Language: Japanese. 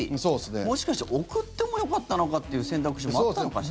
もしかして送ってもよかったのかという選択肢もあったのかしら。